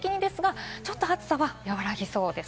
一時的にですが、ちょっと暑さは和らぎそうです。